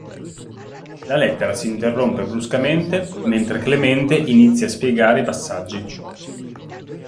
La lettera si interrompe bruscamente mentre Clemente inizia a spiegare i passaggi.